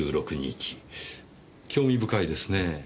興味深いですねぇ。